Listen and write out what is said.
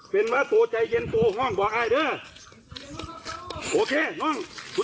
ผมคดมือครับผมคดมือมัน